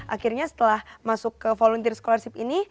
akhirnya setelah masuk ke volunteer scholarship ini